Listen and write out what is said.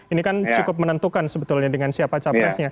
ini kan cukup menentukan sebetulnya dengan siapa capresnya